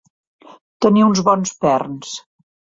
Tenir uns bons perns.